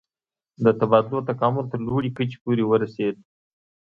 د تبادلو تکامل تر لوړې کچې ورسید.